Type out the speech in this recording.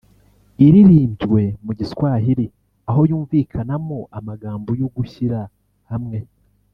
Iririmbywe mu Giswahili aho yumvikanamo amagambo y’ugushyira hamwe